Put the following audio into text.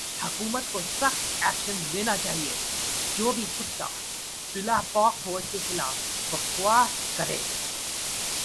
حکومت کو سخت ایکشن لینا چایئے جو بھی کتا بلا پاک فوج کے خلاف بکواس کرے